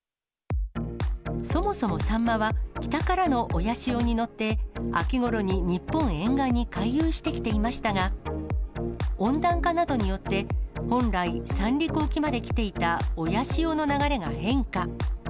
そもそもサンマは、北からの親潮に乗って、秋ごろに日本沿岸に回遊してきていましたが、温暖化などによって、本来、三陸沖まで来ていた親潮の流れが変化。